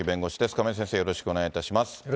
亀井先生、よろしくお願いいたします。